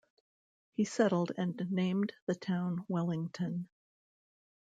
He settled and named the town Wellington.